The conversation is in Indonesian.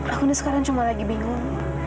aku nih sekarang cuma lagi bingung